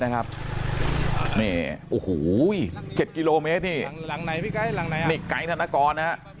ว้าว๗กิโลเมตร